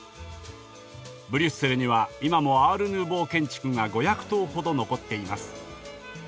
ブリュッセルには今もアール・ヌーボー建築が５００棟ほど残っています。